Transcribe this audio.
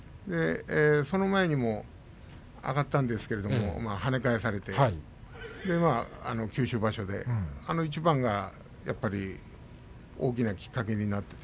その前に上がったんですけれども跳ね返されて九州場所であの一番がやっぱり大きなきっかけになりました。